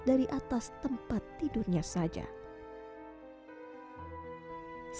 wanita empat puluh delapan tahun ini telah lama hanya bisa beraktifitas